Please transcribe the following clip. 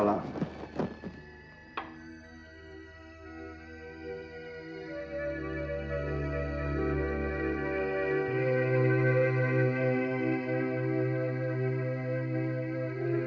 terima kasih om